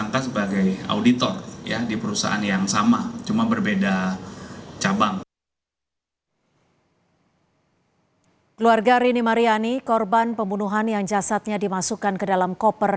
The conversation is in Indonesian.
keluarga rini mariani korban pembunuhan yang jasadnya dimasukkan ke dalam koper